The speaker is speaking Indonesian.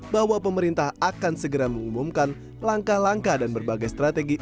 bahwa pemerintah akan segera mengumumkan langkah langkah dan berbagai strategi